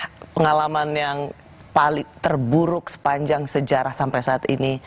apa pengalaman yang paling terburuk sepanjang sejarah sampai saat ini